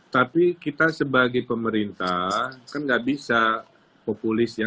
tapi kita sebagai pemerintah kan nggak bisa populis ya